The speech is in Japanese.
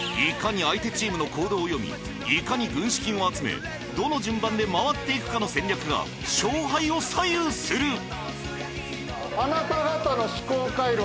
いかに相手チームの行動を読みいかに軍資金を集めどの順番で回っていくかの戦略が勝敗を左右する！